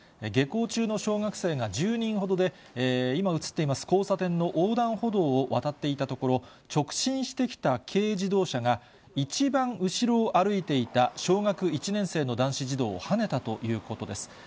下校中の小学生が１０人ほどで、今写っています、交差点の横断歩道を渡っていたところ、直進してきた軽自動車が、一番後ろを歩いていた小学１年生の男子児童をはねたということです。